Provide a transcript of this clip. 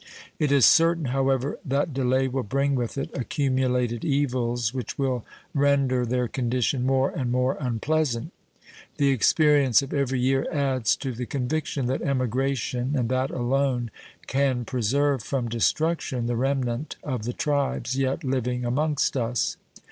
It is certain, however, that delay will bring with it accumulated evils which will render their condition more and more unpleasant. The experience of every year adds to the conviction that emigration, and that alone, can preserve from destruction the remnant of the tribes yet living amongst us.